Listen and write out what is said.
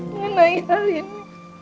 mengenai hal ini